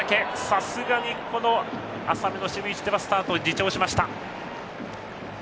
さすがにこの浅めの守備位置ではスタートは自重しました。